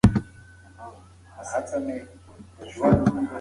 د اوبو پر ځای د متیازو کولو کیسه ډېره دردونکې وه.